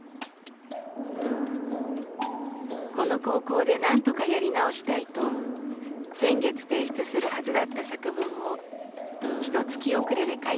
この高校でなんとかやり直したいと先月提出するはずだった作文をひとつき遅れで書いていました。